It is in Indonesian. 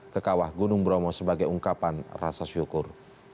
ke kawah gunung bromo sebagai ungkapan rasa syukur